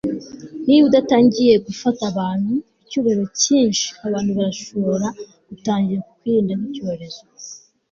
Niba udatangiye gufata abantu icyubahiro cyinshi abantu barashobora gutangira kukwirinda nkicyorezo